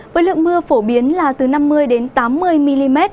với lượng mưa phổ biến là từ năm mươi tám mươi mm